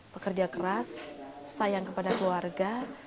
bekerja keras sayang kepada keluarga